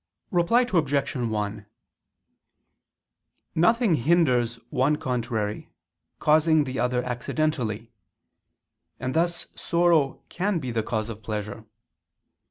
Reply Obj. 1: Nothing hinders one contrary causing the other accidentally: and thus sorrow can be the cause of pleasure.